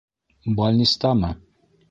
Балнистамы?